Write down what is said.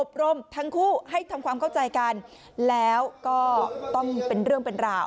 รมทั้งคู่ให้ทำความเข้าใจกันแล้วก็ต้องเป็นเรื่องเป็นราว